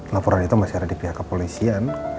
laporan itu masih ada di pihak kepolisian